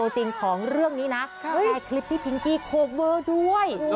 จริงของเรื่องนี้นะแชร์คลิปที่พิงกี้โคเวอร์ด้วย